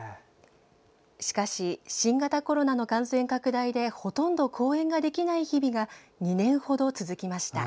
しかし、新型コロナの感染拡大でほとんど公演ができない日々が２年ほど続きました。